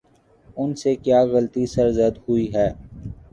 ان سے کیا غلطی سرزد ہوئی ہے؟